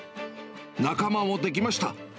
仲間もできました。